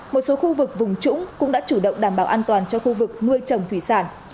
một số khu vực vùng trũng cũng đã chủ động đảm bảo an toàn cho khu vực nuôi trồng thủy sản